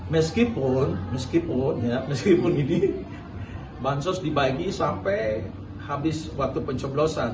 meskipun meskipun ya meskipun ini bansos dibagi sampai habis waktu pencoblosan